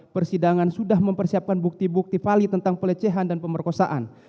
persidangan sudah mempersiapkan bukti bukti vali tentang pelecehan dan pemerkosaan